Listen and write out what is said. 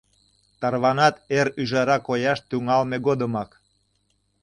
Тарванат эр ӱжара кояш тӱҥалме годымак.